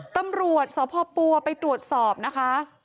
ตำรวจสพปัวไปตรวจสอบนะคะ